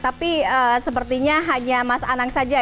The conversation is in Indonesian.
tapi sepertinya hanya mas anang saja